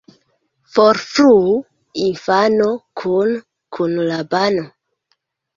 Forfluu infano kune kun la bano.